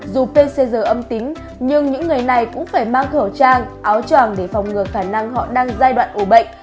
dù pcr âm tính nhưng những người này cũng phải mang khẩu trang áo tràng để phòng ngừa khả năng họ đang giai đoạn ủ bệnh